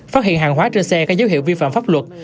phát hiện hàng hóa trên xe có dấu hiệu vi phạm pháp luật